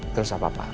terus apa pak